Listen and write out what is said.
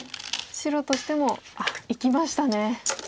白としても。いきました